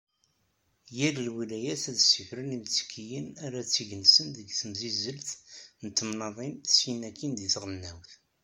Yal lwilaya ad d-sifrer imttekkayen ara tt-igensen deg temsizzelt n temnaḍin syin akkin di tɣelnawt.